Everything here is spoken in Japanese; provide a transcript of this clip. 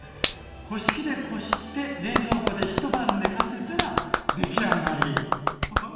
こし器でこして冷蔵庫で一晩寝かせたら出来上がり！